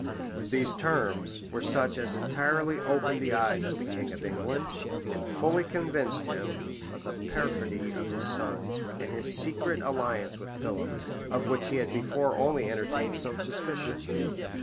These terms were such as entirely opened the eyes of the king of England, and fully convinced him of the perfidy of his son, and his secret alliance with Philip, of which he had before only entertained some suspicion.